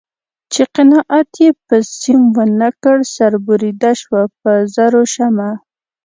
چې قناعت یې په سیم و نه کړ سر بریده شوه په زرو شمع